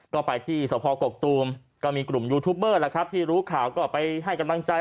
ก็ไปที่สภกกตูมก็มีกลุ่มยูทูปเบอร์ล่ะครับที่รู้ข่าวก็ไปให้กำลังใจ